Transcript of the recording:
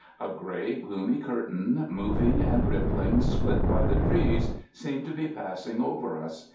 A gray, gloomy curtain, moving and rippling, split by the trees, seemed to be passing over us.